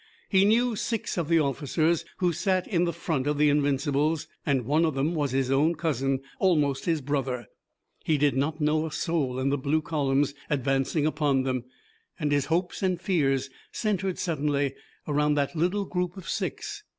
He knew six of the officers who sat in the front of the Invincibles, and one of them was his own cousin, almost his brother. He did not know a soul in the blue columns advancing upon them, and his hopes and fears centered suddenly around that little group of six.